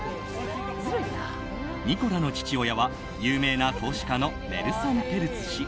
ニコラの父親は有名な投資家のネルソン・ペルツ氏。